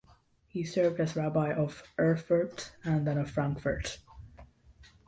He served as rabbi of Erfurt and then of Frankfurt.